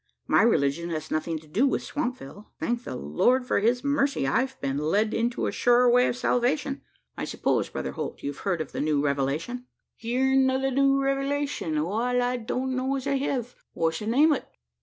My religion has nothing to do with Swampville. Thank the Lord for his mercy, I've been led into a surer way of salvation. I suppose, Brother Holt, you've heard of the new Revelation?" "Heern o' the new rev'lation. Wal, I don't know as I hev. What's the name o't?"